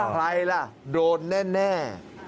ใครล่ะโดนแน่